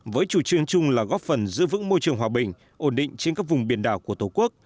với chủ trương chung là góp phần giữ vững môi trường hòa bình ổn định trên các vùng biển đảo của tổ quốc